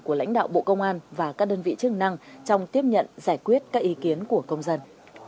của lãnh đạo bộ công an và các đơn vị chức năng trong tiếp nhận giải quyết các ý kiến của công dân